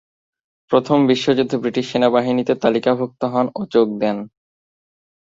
প্রথম বিশ্বযুদ্ধে ব্রিটিশ সেনাবাহিনীতে তালিকাভূক্ত হন ও যোগ দেন।